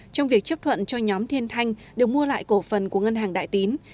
trong việc chấp thuận cho nhóm thiên thanh được mua lại cổ phần của ngân hàng đại tín